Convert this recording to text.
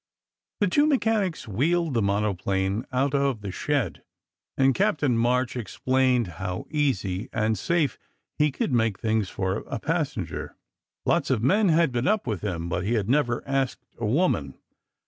The two mechanics wheeled the monoplane out of the shed, and Captain March ex plained how easy and safe he could make things for a pas senger. Lots of men had been up with him, but he had SECRET HISTORY 45 never asked a woman.